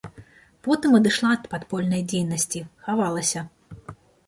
Потым адышла ад падпольнай дзейнасці, хавалася.